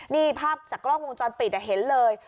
นี่ภาพจากกล้องวงจรปิดเห็นเลย